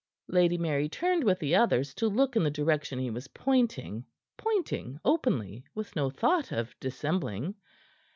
Lady Mary turned with the others to look in the direction he was pointing pointing openly, with no thought of dissembling.